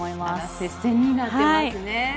接戦になっていますね。